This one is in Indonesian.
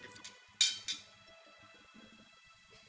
setiap senulun buat